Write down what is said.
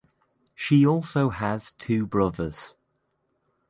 She also has two brothers.